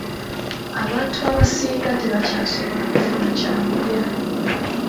Abantu abasinga tebakyasobola kufuna kyakulya.